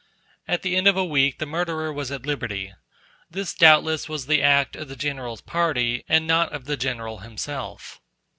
At the end of a week the murderer was at liberty. This doubtless was the act of the general's party, and not of the general himself.